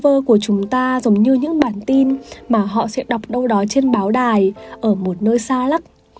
người lạ của chúng ta giống như những bản tin mà họ sẽ đọc đâu đó trên báo đài ở một nơi xa lắc